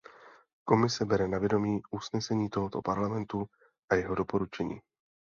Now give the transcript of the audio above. Komise bere na vědomí usnesení tohoto Parlamentu a jeho doporučení.